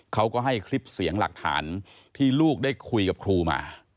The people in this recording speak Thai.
เขาก็ให้คลิปเสียงหลักฐานที่ลูกได้คุยกับครูมา